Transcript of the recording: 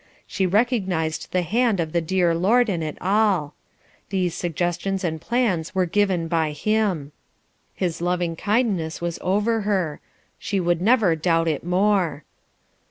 She recognized the hand of the dear Lord in it all; these suggestions and plans were given by him. His loving kindness was over her; she would never doubt it more.